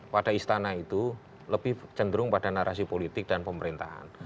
pada istana itu lebih cenderung pada narasi politik dan pemerintahan